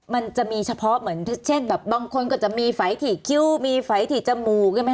มันจะมีเฉพาะเหมือนเช่นบางคนก็จะมีไฟที่คิ้วมีไฟที่จมูก